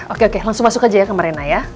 oke oke langsung masuk aja ya ke mariana ya